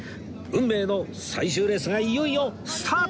運命の最終レースがいよいよスタート！